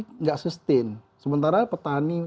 tidak sustain sementara petani